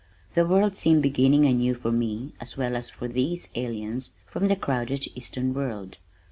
The world seemed beginning anew for me as well as for these aliens from the crowded eastern world.